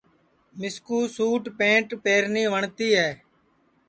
مِسکُو سُٹ پنٚٹ پہرنی وٹؔتی ہے